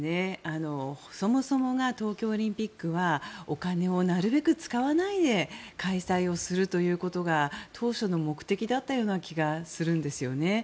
そもそも東京オリンピックはお金をなるべく使わないで開催するということが当初の目的だったような気がするんですよね。